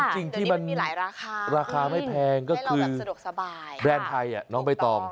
จริงที่มันราคาไม่แพงก็คือแบรนด์ไทยน้องใบตอม